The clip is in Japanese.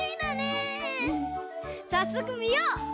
さっそくみよう！